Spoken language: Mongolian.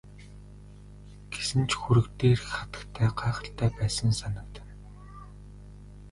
Гэсэн ч хөрөг дээрх хатагтай гайхалтай байсан санагдана.